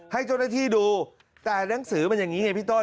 ให้เจ้าหน้าที่ดูแต่หนังสือมันอย่างนี้ไงพี่ต้น